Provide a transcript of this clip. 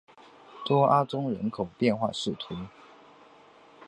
多阿宗人口变化图示